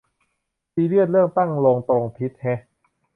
ซีเรียสเรื่องตั้งโลงตรงทิศแฮะ